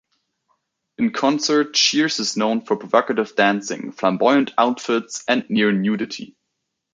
In concert, Shears is known for provocative dancing, flamboyant outfits, and near nudity.